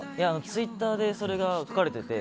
ツイッターでそれが書かれてて。